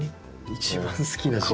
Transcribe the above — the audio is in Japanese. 一番好きな時間。